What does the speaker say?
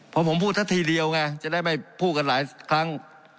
เพราะผมพูดซะทีเดียวไงจะได้ไม่พูดกันหลายครั้ง